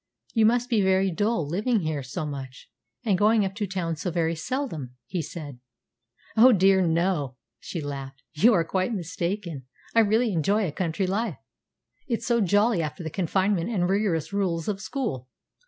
"You must be very dull, living here so much, and going up to town so very seldom," he said. "Oh dear no!" she laughed. "You are quite mistaken. I really enjoy a country life. It's so jolly after the confinement and rigorous rules of school.